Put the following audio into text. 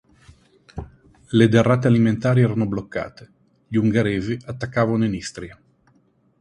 Le derrate alimentari erano bloccate, gli ungheresi attaccavano in Istria.